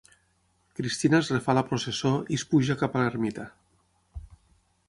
Cristina es refà la processó i es puja cap a l'ermita.